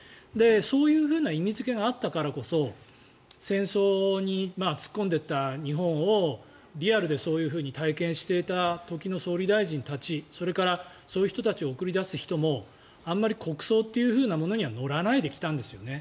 そういう意味付けがあったからこそ戦争に突っ込んでいった日本をリアルでそういうふうに体験していた時の総理大臣たちそれからそういう人たちを送り出す人もあまり国葬というものには乗らないで来たんですよね。